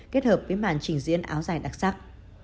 kết hợp với màn trình diễn áo dài đặc sắc